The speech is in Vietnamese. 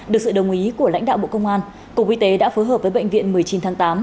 được sự đồng ý của lãnh đạo bộ công an cục y tế đã phối hợp với bệnh viện một mươi chín tháng tám